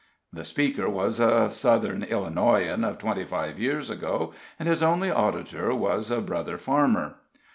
The speaker was a Southern Illinoisan of twenty five years ago, and his only auditor was a brother farmer.